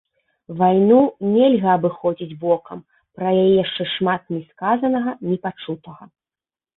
Вайну нельга абыходзіць бокам, пра яе яшчэ шмат не сказанага і не пачутага.